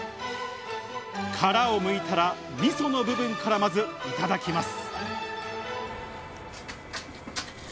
殻をむいたらみその部分からまずいただきます。